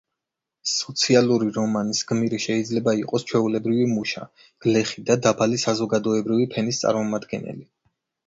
სოციალური რომანის გმირი შეიძლება იყოს ჩვეულებრივი მუშა, გლეხი და დაბალი საზოგადოებრივი ფენის წარმომადგენელი.